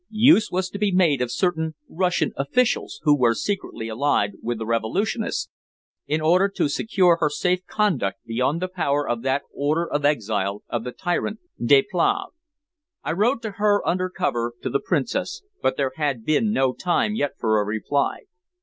Use was to be made of certain Russian officials who were secretly allied with the Revolutionists in order to secure her safe conduct beyond the power of that order of exile of the tyrant de Plehve. I wrote to her under cover to the Princess, but there had been no time yet for a reply.